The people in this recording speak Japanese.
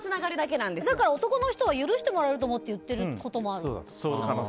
だから男の人は許してもらえると思って言ってるのかも。